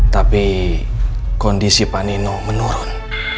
tapi kondisi pak nino menurun